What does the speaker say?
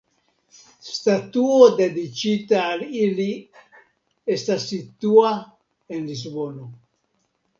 Statuo dediĉita al ili estas situa en Lisbono.